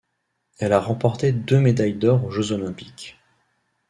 Elle a remporté deux médailles d'or aux Jeux olympiques.